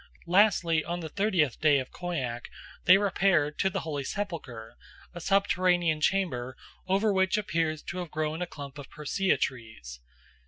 Lastly, on the thirtieth day of Khoiak they repaired to the holy sepulchre, a subterranean chamber over which appears to have grown a clump of Persea trees.